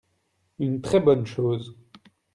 une très bonne chose.